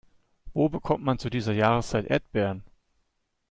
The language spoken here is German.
Wo bekommt man zu dieser Jahreszeit Erdbeeren?